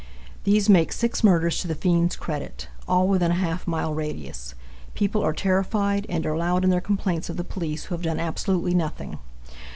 These make six murders to the fiend's credit; all within a half mile radius. People are terrified and are loud in their complaints of the police, who have done absolutely nothing.